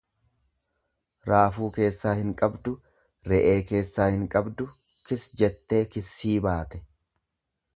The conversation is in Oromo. Raafuu keessaa hin qabdu, re'ee keessaa hinqabdu kis jettee kissii baate.